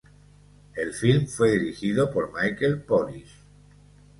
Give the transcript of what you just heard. El film fue dirigido por Michael Polish.